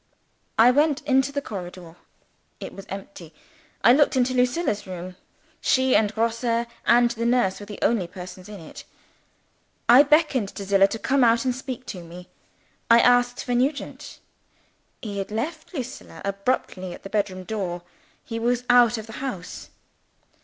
I went into the corridor. It was empty. I looked into Lucilla's room. She and Grosse and the nurse were the only persons in it. I beckoned to Zillah to come out and speak to me. I asked for Nugent. He had left Lucilla abruptly at the bed room door he was out of the house.